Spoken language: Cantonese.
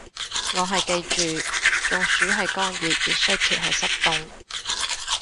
我係記住中暑係乾熱，熱衰竭係濕凍